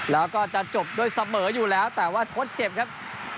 แล้วก็จะจบด้วยเสมออยู่แล้วแต่ว่าทดเจ็บครับ